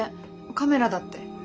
カメラだって。